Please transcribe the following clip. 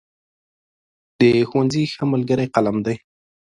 د ښوونځي ښه ملګری قلم دی.